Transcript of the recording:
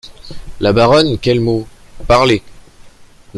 La Baronne Quel mot ? parlez…